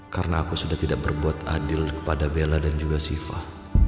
karena aku sudah tidak berbuat adil kepada bella dan juga sifah